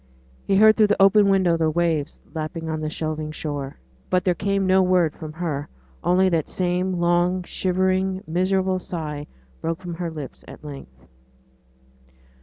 He heard through the open window the waves lapping on the shelving shore. But there came no word from her; only that same long shivering, miserable sigh broke from her lips at length.